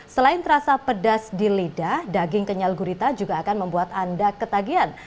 selain terasa pedas di lidah daging kenyal gurita juga akan membuat anda ketagihan